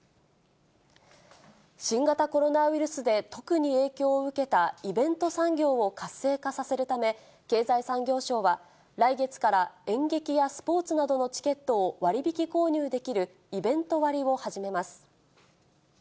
新型コロナウイルスで特に影響を受けたイベント産業を活性化させるため、経済産業省は、来月から演劇やスポーツなどのチケットを割引購入できる、イベント割を始めます。